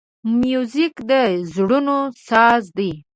موزیک د زړونو ساز دی.